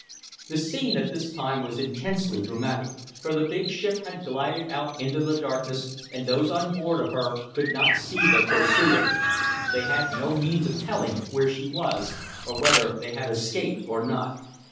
The scene at this time was intensely dramatic; for the big ship had glided out into the darkness and those on board of her could not see their pursuer. They had no means of telling where she was, or whether they had escaped or not.